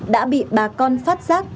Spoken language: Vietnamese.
đã bị bà con phát giác